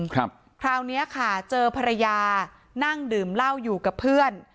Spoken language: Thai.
คราวเนี้ยค่ะเจอภรรยานั่งดื่มเหล้าอยู่กับเพื่อน